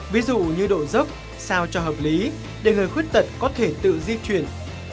ví dụ như độ dốc sao cho hợp lý để người khuyết tật có thể tự di chuyển